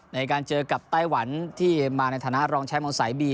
ในการเจอกับไต้หวันที่มาในฐานะรองแชมป์สายบี